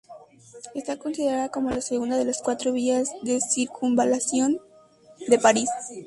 Está considerada como la segunda de las cuatro vías de circunvalación de París.